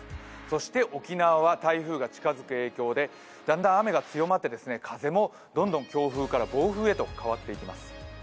そして沖縄は台風が近づく影響でだんだん雨が強まって風もどんどん強風から暴風へと変わっていきます。